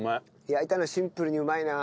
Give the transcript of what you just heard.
焼いたのシンプルにうまいな。